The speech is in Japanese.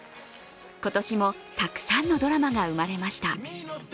今年もたくさんのドラマが生まれました。